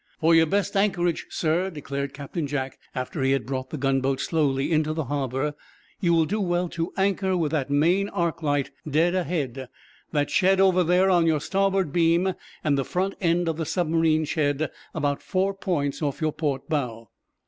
"For your best anchorage, sir," declared Captain Jack, after he had brought the gunboat slowly into the harbor, "you will do well to anchor with that main arc light dead ahead, that shed over there on your starboard beam, and the front end of the submarine shed about four points off your port bow."